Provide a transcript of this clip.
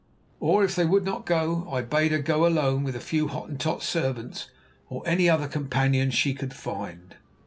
Or if they would not go, I bade her go alone with a few Hottentot servants, or any other companions she could find.